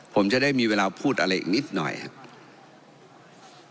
ผมจะได้มีเวลาพูดอะไรอีกนิดหน่อยครับ